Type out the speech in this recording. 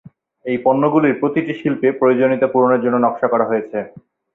এই পণ্যগুলির প্রতিটি শিল্পে প্রয়োজনীয়তা পূরণের জন্য নকশা করা হয়েছে।